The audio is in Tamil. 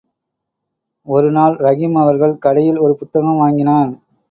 ஒரு நாள் ரஹீம் அவர்கள் கடையில் ஒரு புத்தகம் வாங்கினான்.